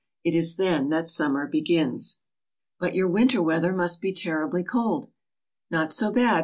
It is then that summer begins." " But your winter weather must be terribly cold. " "Not so bad.